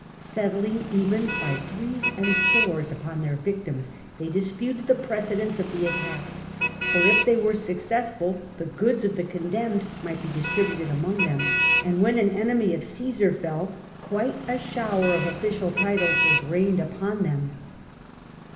Settling even by threes and fours upon their victims, they disputed the precedence of the attack, for if they were successful the goods of the con demned might be distributed among them ; and when an enemy of Caesar fell, quite a shower of official titles was rained upon them.